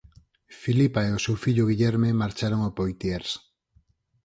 Filipa e o seu fillo Guillerme marcharon a Poitiers.